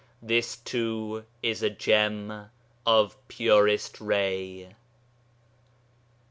This too is a 'gem of purest ray.'